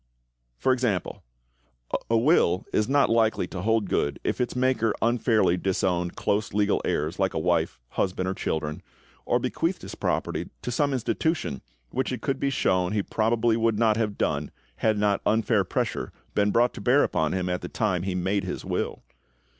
For example: a will is not likely to hold good if its maker unfairly disowned close legal heirs, like a wife, husband, or children, or bequeathed his property to some institution which it could be shown he probably would not have done had not unfair pressure been brought to bear upon him at the time he made his will.